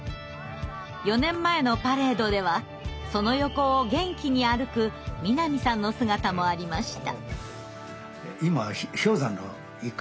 ４年前のパレードではその横を元気に歩く南さんの姿もありました。